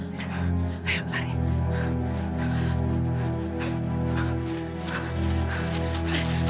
kita bisa menjaga mereka pada saat itu